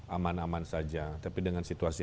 aman aman saja tapi dengan situasi